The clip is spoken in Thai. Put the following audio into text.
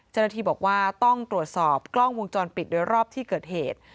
เจ้าหน้าที่บอกว่าต้องตรวจสอบกล้องวงจรปิดโดยรอบที่เกิดเหตุ